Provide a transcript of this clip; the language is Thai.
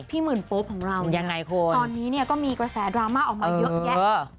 หมื่นโป๊ปของเรายังไงคุณตอนนี้เนี่ยก็มีกระแสดราม่าออกมาเยอะแยะ